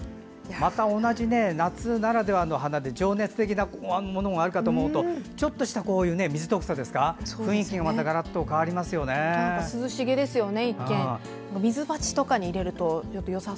また同じ夏ならではの花で情熱的なものがあるかと思うとちょっとしたミズトクサ雰囲気もガラッと変わりますよね。